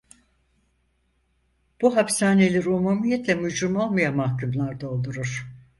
Bu hapishaneleri umumiyetle mücrim olmayan mahkûmlar doldurur.